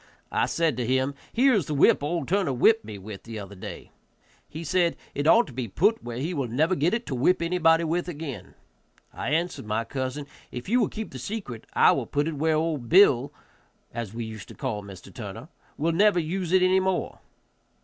I said to him, "Here is the whip old Turner whipped me with the other day." He said, "It ought to be put where he will never get it to whip anybody with again." I answered my cousin, "If you will keep the secret I will put it where old Bill, as we used to call Mr. Turner, will never use it any more."